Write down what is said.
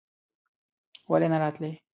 ولې نه راتلې?